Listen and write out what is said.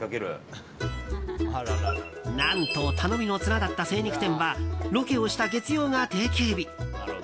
何と、頼みの綱だった精肉店はロケをした月曜が定休日。